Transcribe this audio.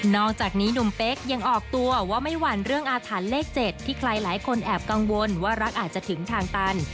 อกจากนี้หนุ่มเป๊กยังออกตัวว่าไม่หวั่นเรื่องอาถรรพ์เลข๗ที่ใครหลายคนแอบกังวลว่ารักอาจจะถึงทางตัน